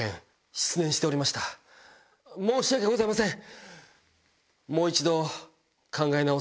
申し訳ございません。